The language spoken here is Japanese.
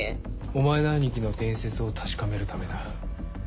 お前の兄貴の伝説を確かめるためだ。